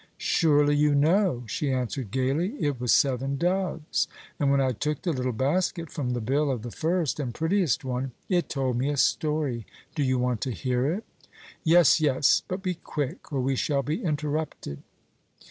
"Surely you know," she answered gaily; "it was seven doves, and, when I took the little basket from the bill of the first and prettiest one, it told me a story. Do you want to hear it?" "Yes, yes; but be quick, or we shall be interrupted."